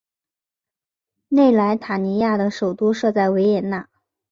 内莱塔尼亚的首都设在维也纳。